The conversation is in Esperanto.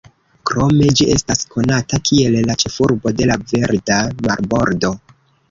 Krome, ĝi estas konata kiel la ĉefurbo de la "Verda marbordo".